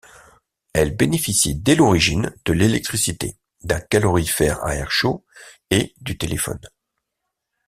Elle bénéficiait dès l'origine de l'électricité, d'un calorifère à air chaud et du téléphone.